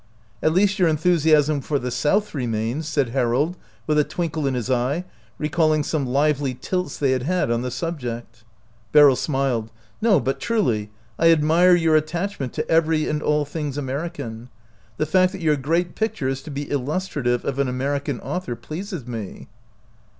"At least your enthusiasm for the South remains," said Harold, with a twinkle in his eye, recalling some lively tilts they had had on the subject. Beryl smiled. " No, but truly, I admire your attachment to every and all things American. The fact that your great pic ture is to be illustrative of an American author pleases me."